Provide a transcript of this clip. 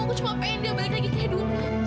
aku cuma pengen dia balik lagi ke dunia